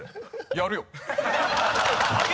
「やるよ」。